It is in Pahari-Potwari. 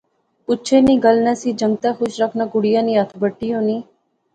پچھے نی گل نہسی، جنگتے خوش رکھنا کڑیا نی ہتھ بٹی ہونی